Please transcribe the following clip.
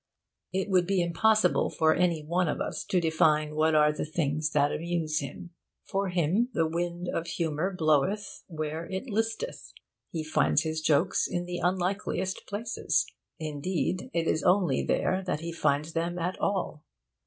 It would be impossible for any one of us to define what are the things that amuse him. For him the wind of humour bloweth where it listeth. He finds his jokes in the unlikeliest places. Indeed, it is only there that he finds them at all.